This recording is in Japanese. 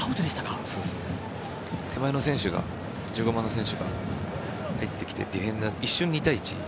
手前の１５番の選手が入ってきてディフェンダーが一瞬、２対１に。